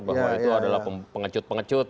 bahwa itu adalah pengecut pengecut